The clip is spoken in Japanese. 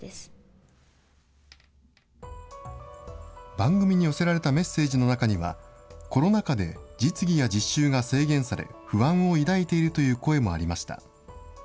番組に寄せられたメッセージの中には、コロナ禍で実技や実習が制限され、不安を抱いているという声もありました。